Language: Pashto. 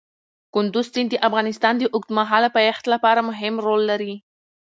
کندز سیند د افغانستان د اوږدمهاله پایښت لپاره مهم رول لري.